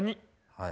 はい。